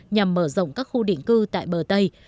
nhằm mở rộng các khu định cư tại bờ tây